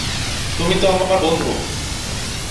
তুমি তো আমার বন্ধু।